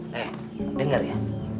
nih denger ya